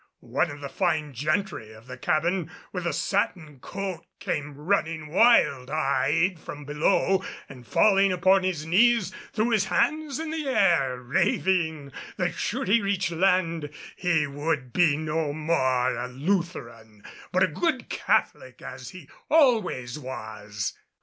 One of the fine gentry of the cabin, with a satin coat, came running wild eyed from below and falling upon his knees threw his hands in the air raving that should he reach land he would be no more a Lutheran, but a good Catholic, as he always was.